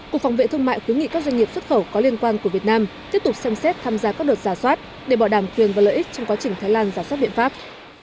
cục phòng vệ thương mại khuyến nghị các doanh nghiệp xuất khẩu có liên quan của việt nam tiếp tục xem xét tham gia các đợt giả soát để bỏ đảm quyền và lợi ích trong quá trình thái lan giả soát biện pháp